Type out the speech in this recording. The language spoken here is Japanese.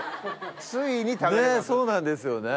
ねぇそうなんですよね。